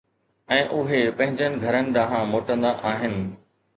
۽ اهي پنهنجن گهرن ڏانهن موٽندا آهن.